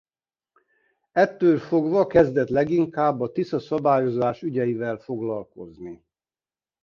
Ettől fogva kezdett leginkább a Tisza-szabályozás ügyeivel foglalkozni.